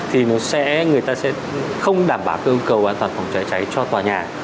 thì nó sẽ người ta sẽ không đảm bảo cái ưu cầu an toàn phòng cháy cháy cho tòa nhà